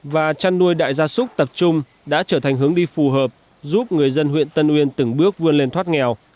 và chăn nuôi đại gia súc tập trung đã trở thành hướng đi phù hợp giúp người dân huyện tân uyên từng bước vươn lên thoát nghèo